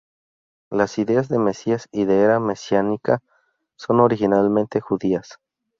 Las ideas de Mesías y de Era Mesiánica son originalmente judías.